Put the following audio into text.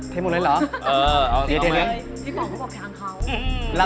พี่ป๋องก็บอกทางเขา